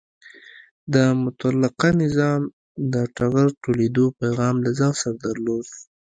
د مطلقه نظام د ټغر ټولېدو پیغام له ځان سره درلود.